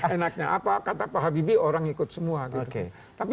enaknya apa kata pak habibie orang ikut semua gitu